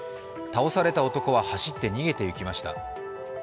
倒された男は走って逃げていきました。